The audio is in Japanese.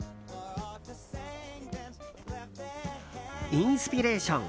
インスピレーション。